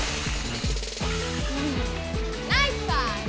ナイスパス！